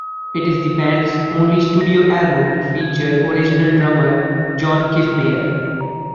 It is the band's only studio album to feature original drummer John Kiffmeyer.